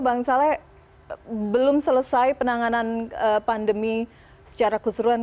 bang saleh belum selesai penanganan pandemi secara keseluruhan